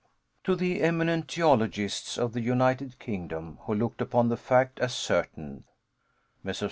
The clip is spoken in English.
To the eminent geologists of the United Kingdom who looked upon the fact as certain Messrs.